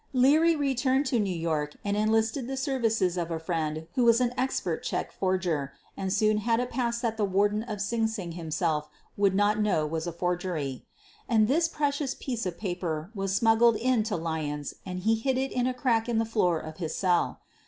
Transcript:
Leary retwri>ed to New York and enlisted the ser QUEEN OF THE BURGLARS 67 rices of a friend who was an expert check forger and soon had a pass that the Warden of Sing Sing himself would not know was a forgery. And this precious piece of paper was smuggled in to Lyons and he hid it in a crack in the floor of his cell.